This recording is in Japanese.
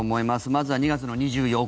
まずは２月の２４日